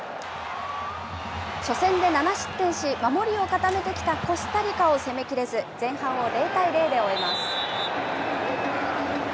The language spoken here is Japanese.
初戦で７失点し、守りを固めてきたコスタリカを攻めきれず、前半を０対０で終えます。